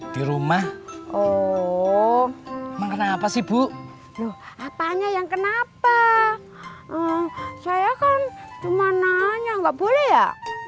di rumah oh karena apa sih bu apanya yang kenapa saya kan cuma nanya nggak boleh ya